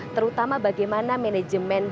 terutama bagaimana manajemen pemerintahan